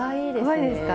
かわいいですか？